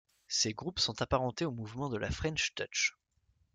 Ces groupes sont apparentés au mouvement de la French touch.